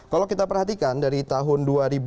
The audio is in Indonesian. kalau kita perhatikan dari tahun dua ribu dua puluh